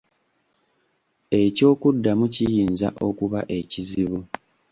Eky’okuddamu kiyinza okuba ekizibu.